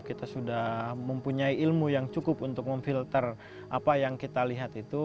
kita sudah mempunyai ilmu yang cukup untuk memfilter apa yang kita lihat itu